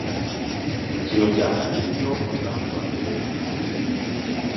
Kino kya kabi nnyo mu bulamu bwaffe!